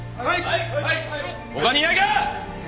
他にいないか！？